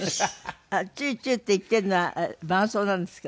「チュンチュン」っていってるのは伴奏なんですか？